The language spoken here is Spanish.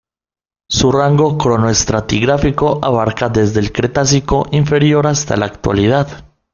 Su rango cronoestratigráfico abarca desde el Cretácico inferior hasta la Actualidad.